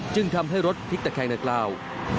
จึงทำให้รถพลิกตะแคงดังกล่าว